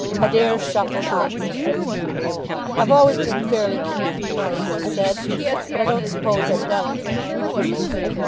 Adair shuffled awkwardly. "I've always been fairly keen on the place," he said. "But I don't suppose I've done anything much."